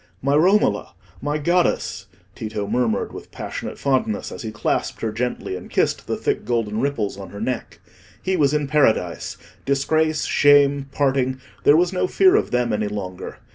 "My Romola! my goddess!" Tito murmured with passionate fondness, as he clasped her gently, and kissed the thick golden ripples on her neck. He was in paradise: disgrace, shame, parting—there was no fear of them any longer.